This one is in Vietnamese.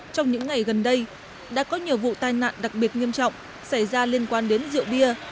trong những ngày gần đây đã có nhiều vụ tai nạn đặc biệt nghiêm trọng xảy ra liên quan đến rượu bia